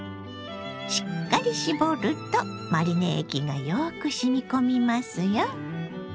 しっかり絞るとマリネ液がよくしみこみますよ。